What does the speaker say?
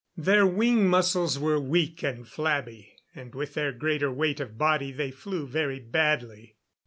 Their wing muscles were weak and flabby, and with their greater weight of body they flew very badly.